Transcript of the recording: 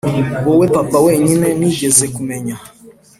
wowe papa wenyine nigeze kumenya